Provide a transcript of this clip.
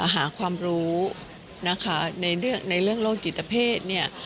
หาความรู้นะคะในเรื่องโรคจิตเพศเนี่ย